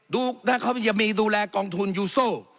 ดูถ้าเขายังมีดูแลกองทุนยูโซ